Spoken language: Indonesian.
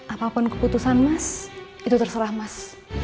apapun keputusan mas itu terserah mas